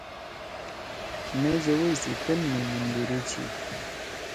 مے جوَئی سی کن می مُوندری چھی۔